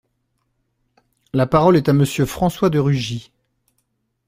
La parole est à Monsieur François de Rugy.